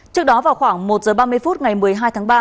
trước đó vào khoảng một h ba mươi phút ngày một mươi hai tháng ba